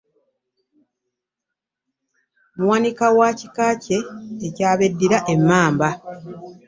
Muwanika wa kika kye eky’abeddira emmamba.